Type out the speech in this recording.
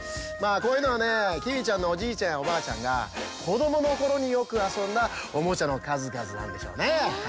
まあこういうのはねキーウィちゃんのおじいちゃんやおばあちゃんがこどものころによくあそんだオモチャのかずかずなんでしょうね。